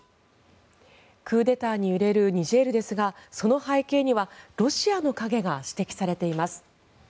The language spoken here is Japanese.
クーデターに揺れるニジェールですがその背景にはロシアの影が指摘されています。